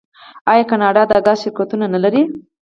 آیا کاناډا د ګاز شرکتونه نلري؟